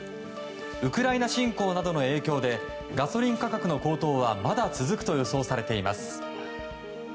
ウクライナ侵攻などの影響でガソリン価格の高騰はまだ続くと予想されています。